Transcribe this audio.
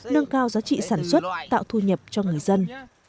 nâng cao giá trị sản xuất tạo thu nhập cho người dân